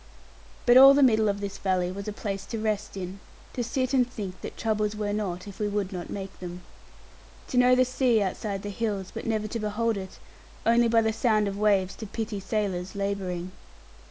But all the middle of this valley was a place to rest in; to sit and think that troubles were not, if we would not make them. To know the sea outside the hills, but never to behold it; only by the sound of waves to pity sailors labouring.